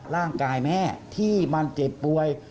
ร่างกายแม่ที่มันเจ็บป่วย